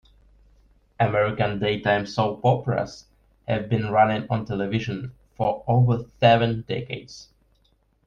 American daytime soap operas have been running on television for over seven decades.